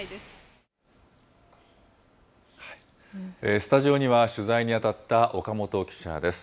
スタジオには取材に当たった岡本記者です。